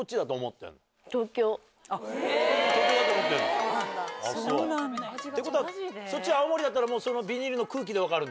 ってことはそっち青森だったら。